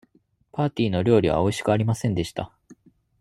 パーティーの料理はおいしくありませんでした。